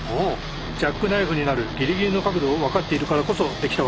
ジャックナイフになるギリギリの角度を分かっているからこそできた技です。